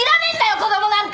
子供なんか！